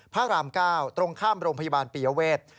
พระราม๙ตรงข้ามโรงพยาบาลปียเวท